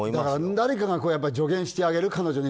誰かが助言してあげる、彼女に。